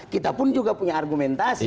kita pun juga punya argumentasi